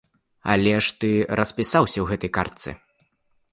Але ты ж распісаўся ў гэтай картцы!